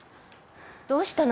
どうしたの？